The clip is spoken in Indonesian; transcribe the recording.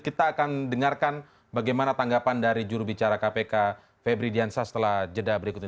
kita akan dengarkan bagaimana tanggapan dari jurubicara kpk febri diansah setelah jeda berikut ini